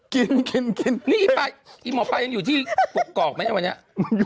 กินนี่มอปปายังอยู่ที่กกกรอกไหมวันนี้